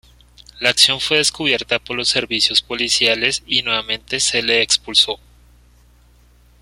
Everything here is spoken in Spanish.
La acción fue descubierta por los servicios policiales y nuevamente se le expulsó.